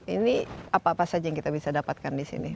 ini apa apa saja yang kita bisa dapatkan disini